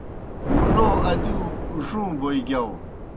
مُلو ادِیؤ ڙُوں بوئے گِیاؤ۔